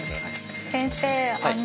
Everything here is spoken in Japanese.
先生